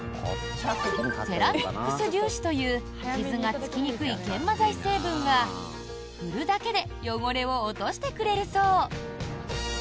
セラミックス粒子という傷がつきにくい研磨剤成分が振るだけで汚れを落としてくれるそう。